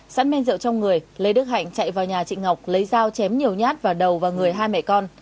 sẵn men rượu trong người lê đức hạnh chạy vào nhà chị ngọc lấy dao chém nhiều nhát vào đầu và người hai mẹ con